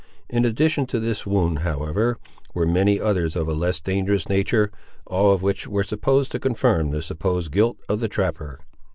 In addition to this wound, however, were many others of a less dangerous nature, all of which were supposed to confirm the supposed guilt of the trapper.